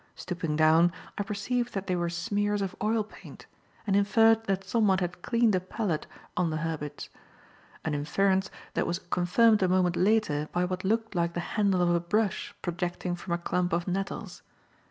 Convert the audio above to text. Stooping down, I perceived that they were smears of oil paint, and inferred that someone had cleaned a palette on the herbage; an inference that was confirmed a moment later by what looked like the handle of a brush projecting from a clump of nettles.